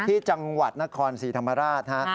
ที่จังหวัดนครศรีธรรมราชฮะ